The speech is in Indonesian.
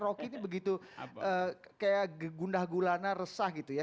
rocky ini begitu kayak gundah gulana resah gitu ya